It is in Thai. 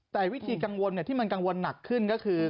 แต่วิธีกังวลที่มันกังวลหนักขึ้นก็คือ